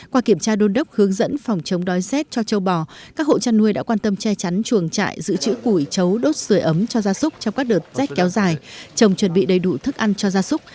qua kiểm tra đôn đốc hướng dẫn phòng chống đói rét cho châu bò các hộ chăn nuôi đã quan tâm che chắn chuồng trại giữ chữ củi chấu đốt sửa ấm cho gia súc trong các đợt rét kéo dài trồng chuẩn bị đầy đủ thức ăn cho gia súc